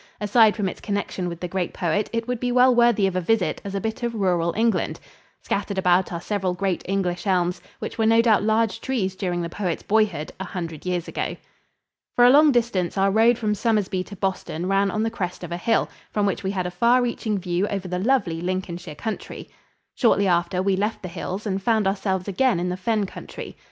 Aside from its connection with the great poet, it would be well worthy of a visit as a bit of rural England. Scattered about are several great English elms, which were no doubt large trees during the poet's boyhood, a hundred years ago. For a long distance our road from Somersby to Boston ran on the crest of a hill, from which we had a far reaching view over the lovely Lincolnshire country. Shortly after, we left the hills and found ourselves again in the fen country.